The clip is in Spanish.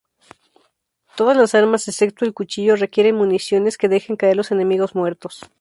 Todas las armas excepto el cuchillo requieren municiones, que dejan caer los enemigos muertos.